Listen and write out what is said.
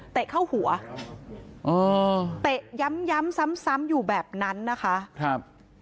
เตะเข้าหัวเตะย้ำซ้ำอยู่แบบนั้นนะคะ